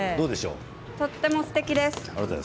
とてもすてきです。